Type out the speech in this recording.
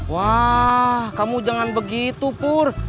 wah kamu jangan begitu pur